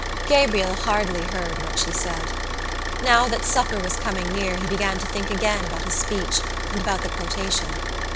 Gabriel hardly heard what she said. Now that supper was coming near he began to think again about his speech and about the quotation.